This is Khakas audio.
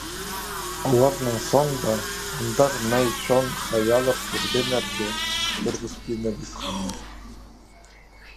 Оларның соонда андағ най чоон хайалар кӱргеннерге турғыспиныбысханнар.